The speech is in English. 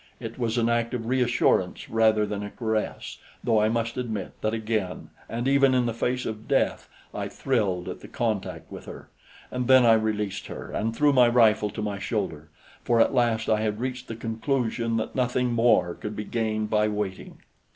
It was an act of reassurance rather than a caress, though I must admit that again and even in the face of death I thrilled at the contact with her; and then I released her and threw my rifle to my shoulder, for at last I had reached the conclusion that nothing more could be gained by waiting.